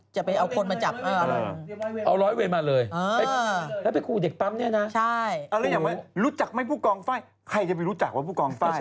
ใช่มากใครจะไม่รู้จักว่าผู้กองไฟล์